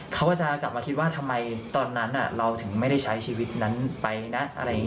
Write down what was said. เขาก็จะกลับมาคิดว่าทำไมตอนนั้นเราถึงไม่ได้ใช้ชีวิตนั้นไปนะ